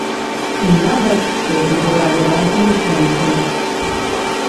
Імя дачцэ выбіралі разам з жонкай.